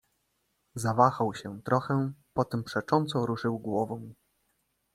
"Zawahał się trochę, potem przecząco ruszył głową."